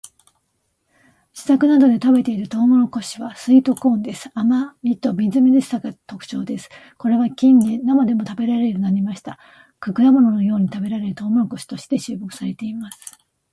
自宅などで食べているトウモロコシはスイートコーンです。甘味とみずみずしさが特徴です。これは近年生でも食べられるようになりました。果物のように食べられるトウモロコシとして注目されています。